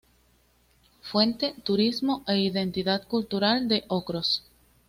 Fuente:Turismo e Identidad Cultural de Ocros.